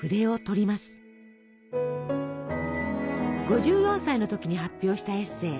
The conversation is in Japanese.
５４歳の時に発表したエッセイ